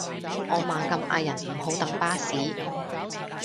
我猛咁嗌人唔好等巴士